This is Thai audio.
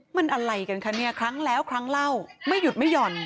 มันอะไรกันคะเนี่ยครั้งแล้วครั้งเล่าไม่หยุดไม่หย่อน